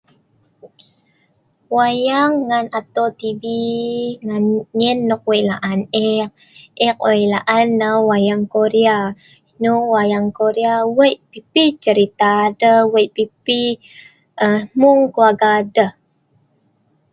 Wayang ngan atol tv ngan nyen nok wei' laan ek, ek wei' laan nal wayang Korea. Hnong wayang Korea wei' pipi cerita deh, wei' pipi hmung kelualga deh.